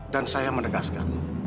dan saya menegaskan